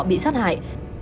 bị sát hại